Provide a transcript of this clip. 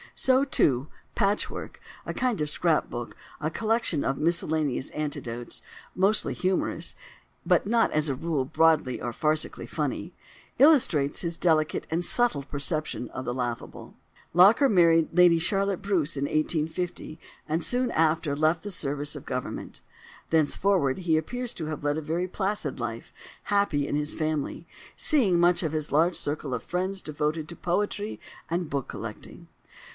So, too, "Patchwork"—a kind of scrap book, a collection of miscellaneous anecdotes, mostly humorous, but not as a rule broadly or farcically funny—illustrates his delicate and subtle perception of the laughable. Locker married Lady Charlotte Bruce in 1850, and soon after left the service of Government. Thenceforward he appears to have led a very placid life, happy in his family, seeing much of his large circle of friends, devoted to poetry and book collecting.